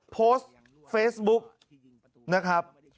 โพสต์เฟซบุ๊กนะครับ